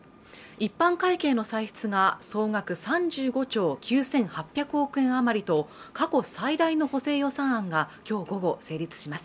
一般会計の歳出の総額３５兆９８００億円余りと過去最大の補正予算案がきょう午後成立します